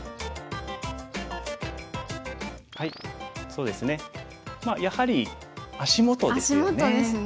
そうですねやはり足元ですよね。